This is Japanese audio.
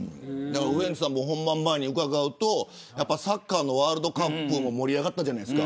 ウエンツさんに本番前に伺うとサッカーのワールドカップも盛り上がったじゃないですか。